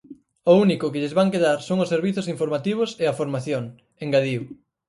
"O único que lles van quedar son os servizos informativos e a formación", engadiu.